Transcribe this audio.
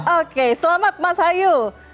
oke selamat mas hayu